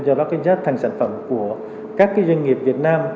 do đó cái giá thành sản phẩm của các doanh nghiệp việt nam